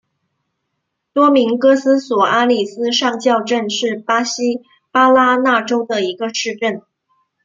多明戈斯索阿里斯上校镇是巴西巴拉那州的一个市镇。